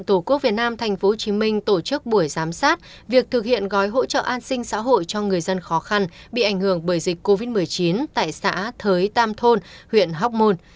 tổ quốc việt nam tp hcm tổ chức buổi giám sát việc thực hiện gói hỗ trợ an sinh xã hội cho người dân khó khăn bị ảnh hưởng bởi dịch covid một mươi chín tại xã thới tam thôn huyện hóc môn